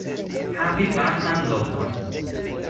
Havi varman lokon.